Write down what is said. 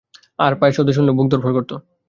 তার পায়ের শব্দ শুনলেও বুক ধড়ফড় করত।